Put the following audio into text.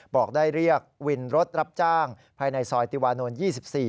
บอกได้เรียกวินรถรับจ้างภายในซอยติวานนท์๒๔